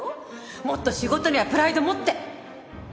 もっと仕事にはプライド持って！